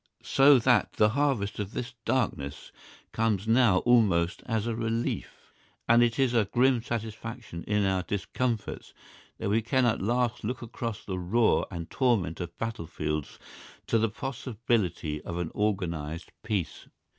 So that the harvest of this darkness comes now almost as a relief, and it is a grim satisfaction in our discomforts that we can at last look across the roar and torment of battlefields to the possibility of an organised peace.